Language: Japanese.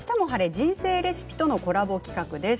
人生レシピ」とのコラボ企画です。